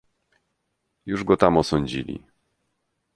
"Już go tam osądzili."